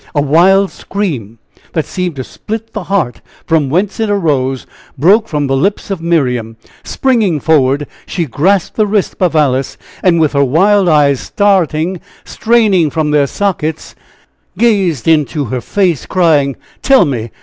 A wild scream, that seemed to split the heart from whence it arose, broke from the lips of Miriam; springing forward, she grasped the wrist of Alice, and with her wild eyes starting, straining from their sockets, gazed into he face, crying: "Tell me!